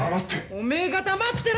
「お前が黙ってろ！